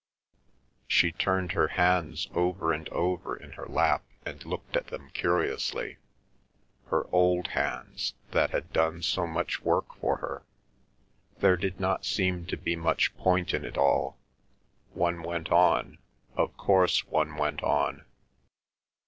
She turned her hands over and over in her lap and looked at them curiously; her old hands, that had done so much work for her. There did not seem to be much point in it all; one went on, of course one went on.